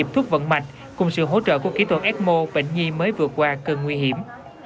dùng thuốc vận mạnh cùng sự hỗ trợ của kỹ thuật ecmo bệnh nhi mới vượt qua cơn nguy hiểm